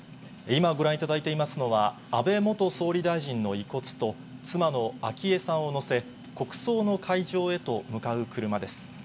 今、ご覧いただいていますのは、安倍元総理大臣の遺骨と、妻の昭恵さんを乗せ、国葬の会場へと向かう車です。